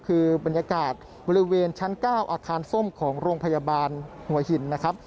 คือบรรยากาศบริเวณชั้น๙อาคารส้มของโรงพยาบาลหัวหินนะครับ